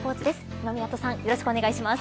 今湊さんよろしくお願いします。